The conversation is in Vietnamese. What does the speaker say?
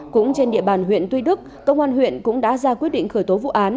cũng trên địa bàn huyện tuy đức công an huyện cũng đã ra quyết định khởi tố vụ án